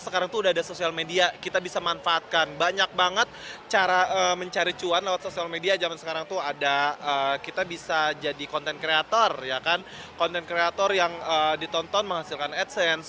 kita bisa jadi konten kreator konten kreator yang ditonton menghasilkan adsense